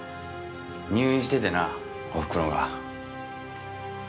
入院しててなおふくろが。